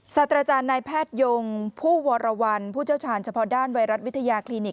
ศาสตราจารย์นายแพทยงผู้วรวรรณผู้เชี่ยวชาญเฉพาะด้านไวรัสวิทยาคลินิก